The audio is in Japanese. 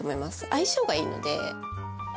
相性がいいので。